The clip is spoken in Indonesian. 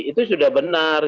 itu sudah benar